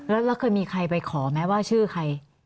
แล้วเคยมีใครไปขอไหมว่าชื่อใคร